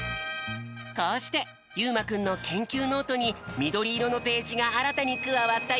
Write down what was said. こうしてゆうまくんのけんきゅうノートにみどりいろのページがあらたにくわわったよ！